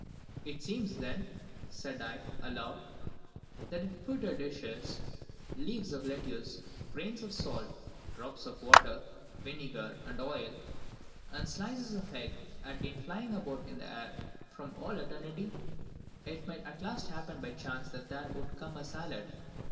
'It seems then,' said I, aloud, 'that if pewter dishes, leaves of lettuce, grains of salt, drops of water, vinegar, and oil, and slices of egg, had been flying about in the air from all eternity, it might at last happen by chance that there would come a salad.'